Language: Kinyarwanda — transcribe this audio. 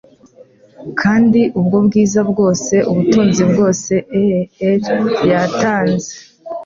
Kandi ubwo bwiza bwose, ubutunzi bwose e'er yatanze,